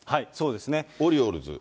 オリオールズ。